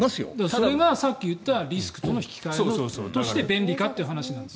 それがさっき言ったリスクとの引き換えとして便利かということなんです。